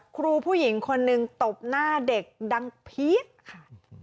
ครูผู้หญิงคนนึงตบหน้าเด็กดังพีชค่ะ